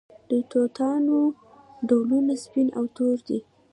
د توتانو ډولونه سپین او تور دي.